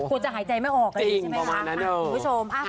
คงจะหายใจไม่ออกครับที่นี่นะคะคุณผู้ชมจริงประมาณนั้น